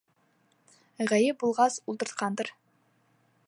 Ғәйеп булғас, ултыртҡандыр.